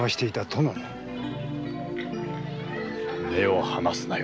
目を離すなよ。